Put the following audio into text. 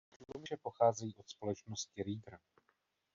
Tlumiče pocházejí od společnosti Rieger.